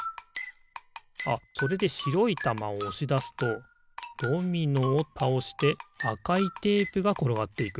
あっそれでしろいたまをおしだすとドミノをたおしてあかいテープがころがっていく。